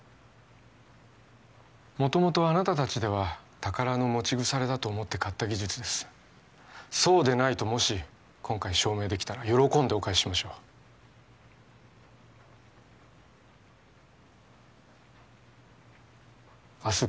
元々あなたたちでは宝の持ち腐れだと思って買った技術ですそうでないともし今回証明できたら喜んでお返ししましょう明日